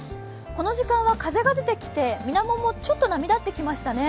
この時間は風が出てきて水面もちょっと出てきましたね。